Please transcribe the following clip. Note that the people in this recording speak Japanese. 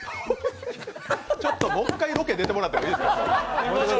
ちょっと、もう一回ロケ出てもらっていいですか。